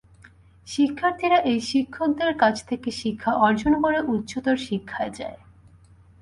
শিক্ষার্থীরা এই শিক্ষকদের কাছ থেকে শিক্ষা অর্জন করে উচ্চতর শিক্ষায় যায়।